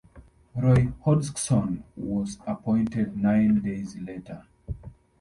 Roy Hodgson was appointed nine days later.